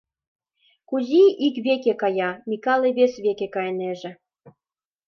Кузий ик веке кая, Микале вес веке кайынеже.